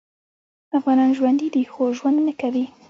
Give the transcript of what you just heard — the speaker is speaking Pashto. افغانان ژوندي دي خو ژوند نکوي